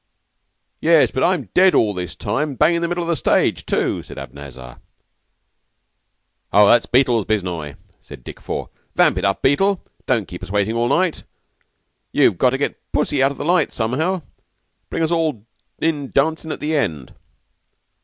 "Yes, but I'm dead all this time. Bung in the middle of the stage, too," said Abanazar. "Oh, that's Beetle's biznai," said Dick Four. "Vamp it up, Beetle. Don't keep us waiting all night. You've got to get Pussy out of the light somehow, and bring us all in dancin' at the end."